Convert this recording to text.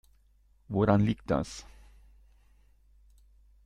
Woran liegt das?